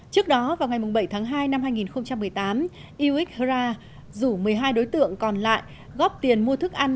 trước đó vào ngày bảy tháng hai năm hai nghìn một mươi tám yoxra rủ một mươi hai đối tượng còn lại góp tiền mua thức ăn